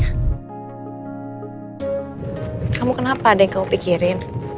kamu kenapa ada yang kau pikirin